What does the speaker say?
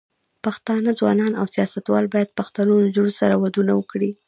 پښتانه ځوانان او سياستوال بايد پښتنو نجونو سره ودونه وکړي.